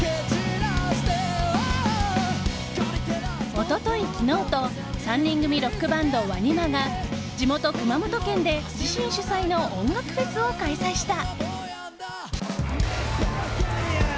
一昨日、昨日と３人組ロックバンドＷＡＮＩＭＡが地元・熊本県で自身主催の音楽フェスを開催した。